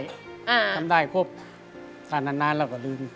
ทำได้ครบนานแล้วก็ลืม